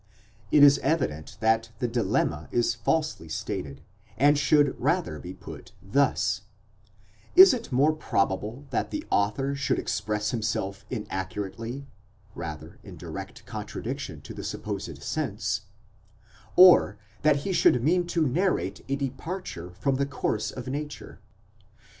It is evident that the dilemma is falsely stated, and should rather be put thus: Is it more probable that the author should express himself inaccurately (rather, in direct contradiction to the supposed sense), or that he should mean to narrate a departure from the course of nature?